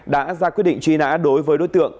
đã ra quyết định truy nã đối với đối tượng